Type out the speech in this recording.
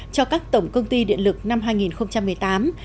cho các tổng công ty điện lực năm hai nghìn một mươi tám